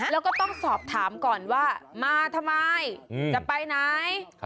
แล้วก็ต้องสอบถามก่อนว่ามาทำไมจะไปไหน